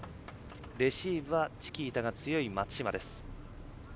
レシーブはチキータが強い松島です。